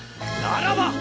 ならばー！